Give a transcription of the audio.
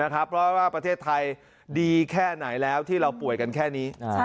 เพราะว่าประเทศไทยดีแค่ไหนแล้วที่เราป่วยกันแค่นี้